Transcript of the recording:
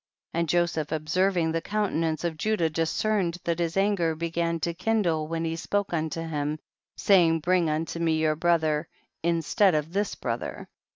And Joseph observing the countenance of Judah discerned that his anger began to kindle when he spoke unto him, saying bring unto me your other brother instead of this brother.